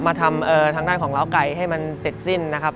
มาทำทางด้านของล้าวไก่ให้มันเสร็จสิ้นนะครับ